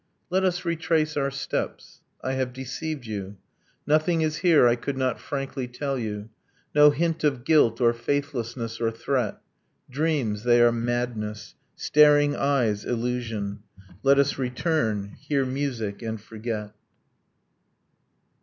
Let us retrace our steps: I have deceived you: Nothing is here I could not frankly tell you: No hint of guilt, or faithlessness, or threat. Dreams they are madness. Staring eyes illusion. Let us return, hear music, and forget